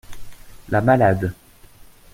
La malade.